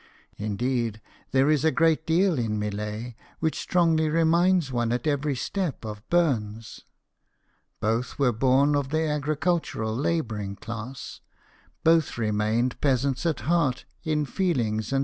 Indeed, there is a great deal in Millet which strongly reminds one at every step of Burns. Both were born of the agricultural labouring class ; both remained peasants at heart, in feelings and 128 BIOGRAPHIES OF WORKING MEN.